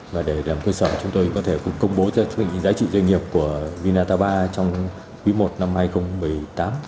và để làm cơ sở chúng tôi cũng có thể công bố giá trị doanh nghiệp của vinataba trong quý một năm hai nghìn một mươi tám